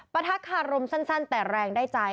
ประทักคารมสั้นแต่แรงได้ใจ